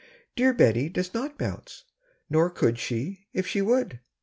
Dear Bettie does not bounce, nor could she if she would.